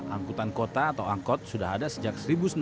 angkutan kota atau angkot sudah ada sejak seribu sembilan ratus sembilan puluh